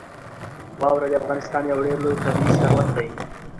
واوره د افغانستان یو ډېر لوی طبعي ثروت دی.